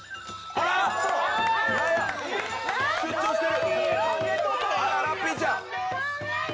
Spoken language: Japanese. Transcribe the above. あら、ラッピーちゃん！